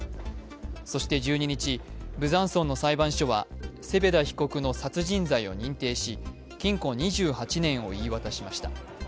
そして１２日、ブザンソンの裁判所はセペダ被告の殺人罪を認定し禁錮２８年を言い渡しました。